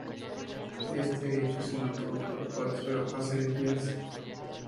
Este hecho se mantuvo por cuatro a seis días.